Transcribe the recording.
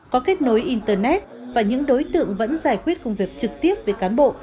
có kết nối internet và những đối tượng vẫn giải quyết công việc trực tiếp với cán bộ